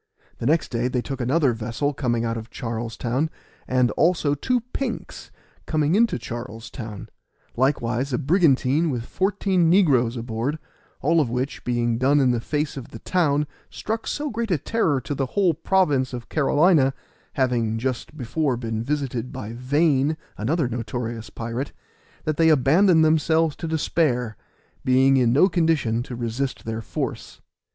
The next day they took another vessel coming out of Charles Town, and also two pinks coming into Charles Town; likewise a brigantine with fourteen negroes aboard; all of which, being done in the face of the town, struck so great a terror to the whole province of Carolina, having just before been visited by Vane, another notorious pirate, that they abandoned themselves to despair, being in no condition to resist their force.